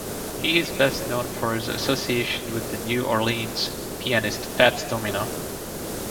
He is best known for his association with the New Orleans pianist Fats Domino.